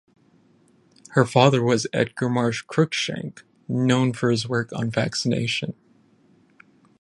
Her father was Edgar Marsh Crookshank known for his work on vaccination.